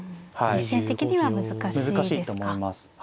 実戦的には難しいですか。